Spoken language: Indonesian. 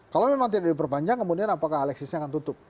kalau memang tidak diperpanjang kemudian apakah alexisnya akan tutup